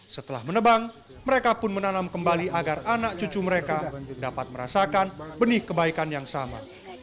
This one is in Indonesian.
setelah menebang mereka pun menanam kembali agar anak cucu mereka dapat merasakan benih kebaikan yang sama